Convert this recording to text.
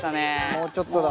もうちょっとだ。